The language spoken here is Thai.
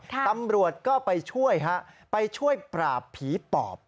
ตำรวจก็ไปช่วยฮะไปช่วยปราบผีปอบ